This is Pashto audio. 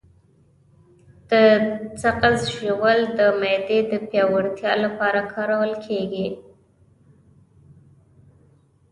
د سقز ژوول د معدې د پیاوړتیا لپاره وکاروئ